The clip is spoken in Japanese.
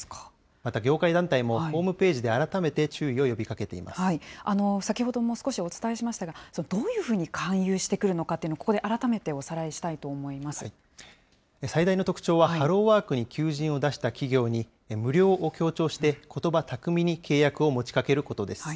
また業界団体も、ホームページで改めて注意を呼びかけていま先ほども少しお伝えしましたが、どういうふうに勧誘してくるのかというのを、ここで改めてお最大の特徴は、ハローワークに求人を出した企業に、無料を強調して、ことば巧みに契約を持ちかけることです。